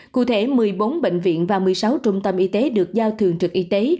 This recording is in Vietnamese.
cụ thể một mươi bốn bệnh viện và một mươi sáu trung tâm y tế được giao thường trực y tế